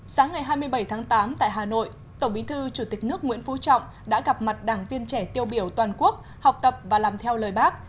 sáng ngày hai mươi bảy tháng tám tại hà nội tổng bí thư chủ tịch nước nguyễn phú trọng đã gặp mặt đảng viên trẻ tiêu biểu toàn quốc học tập và làm theo lời bác